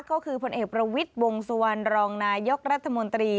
ก็คือผลเอกประวิทย์วงสุวรรณรองนายกรัฐมนตรี